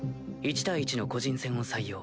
１対１の個人戦を採用。